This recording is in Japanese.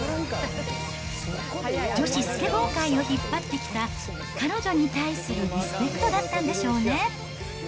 女子スケボー界を引っ張ってきた彼女に対するリスペクトだったんでしょうね。